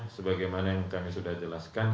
sebagaimana yang kami sudah jelaskan